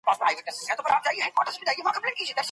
توري دانې څه ګټه لري؟